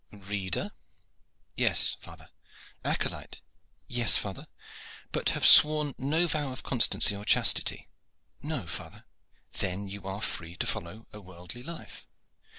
"Reader?" "Yes, father." "Acolyte?" "Yes, father." "But have sworn no vow of constancy or chastity?" "No, father." "Then you are free to follow a worldly life.